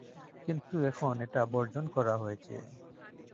কিন্তু এখন এটা বর্জন করা হয়েছে।